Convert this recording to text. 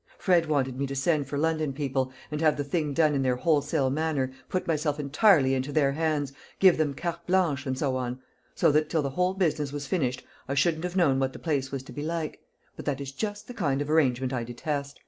Fred wanted me to send for London people, and have the thing done in their wholesale manner put myself entirely into their hands, give them carte blanche, and so on; so that, till the whole business was finished, I shouldn't have known what the place was to be like; but that is just the kind of arrangement I detest.